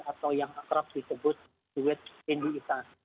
atau yang akrab disebut juhid indi isan